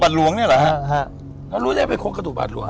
บาทหลวงเนี่ยหรอถ้ารู้ได้ไม่คงกระตุกบาทหลวง